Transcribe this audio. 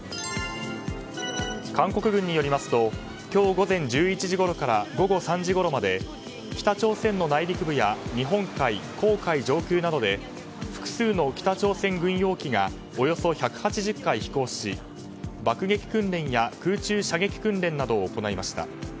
韓国軍によりますと今日午前１１時ごろから午後３時ごろまで北朝鮮の内陸部や日本海、黄海上空などで複数の北朝鮮軍用機がおよそ１８０回飛行し爆撃訓練や空中射撃訓練などを行いました。